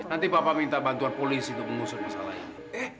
nanti bapak minta bantuan polisi untuk mengusut masalah ini